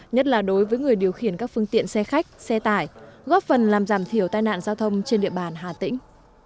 nhất là đối với người điều khiển các phương tiện xe khách xe tải góp phần làm giảm thiểu tai nạn giao thông trên địa bàn hà tĩnh